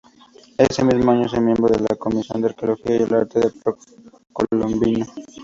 Ese mismo año, es miembro de la Comisión de Arqueología y de arte precolombino.